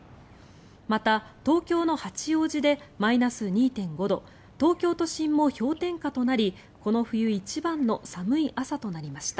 また、東京の八王子でマイナス２．５度東京都心も氷点下となりこの冬一番の寒い朝となりました。